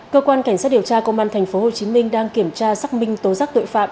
cơ quan cảnh sát điều tra công an tp hcm đang kiểm tra xác minh tố giác tội phạm